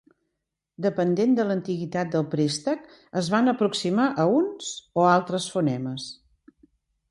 Dependent de l'antiguitat del préstec, es van aproximar a uns o altres fonemes.